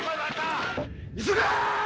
急げ！